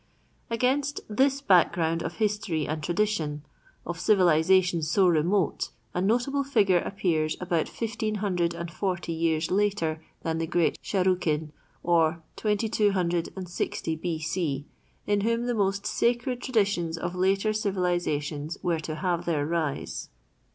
Against this background of history and tradition, of civilization so remote, a notable figure appears about fifteen hundred and forty years later than the great Sharrukin, or 2260 B. C., in whom the most sacred traditions of later civilizations were to have their rise.